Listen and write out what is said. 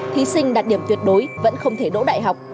thí sinh đạt điểm tuyệt đối vẫn không thể đỗ đại học